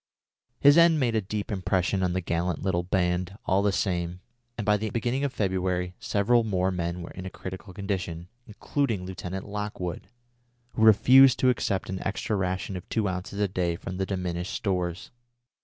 His end made a deep impression on the gallant little band, all the same, and by the beginning of February several more men were in a critical condition, including Lieutenant Lockwood, who refused to accept an extra ration of two ounces a day from the diminished stores.